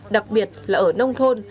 đặc biệt là ở nông thôn